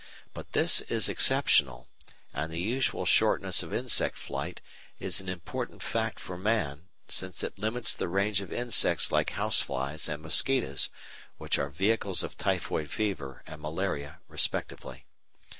But this is exceptional, and the usual shortness of insect flight is an important fact for man since it limits the range of insects like house flies and mosquitoes which are vehicles of typhoid fever and malaria respectively.